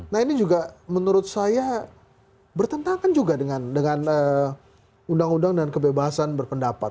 nah ini juga menurut saya bertentangan juga dengan undang undang dan kebebasan berpendapat